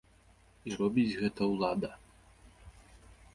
І робіць гэта ўлада.